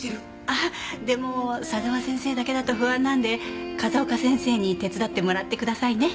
あっでも佐沢先生だけだと不安なんで風丘先生に手伝ってもらってくださいね。